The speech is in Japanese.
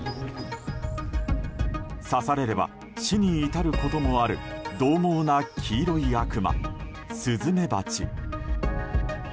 刺されれば死に至ることもある獰猛な黄色い悪魔、スズメバチ。